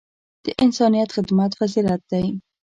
د انسانیت خدمت فضیلت دی.